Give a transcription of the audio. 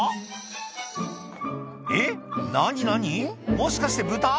もしかして豚？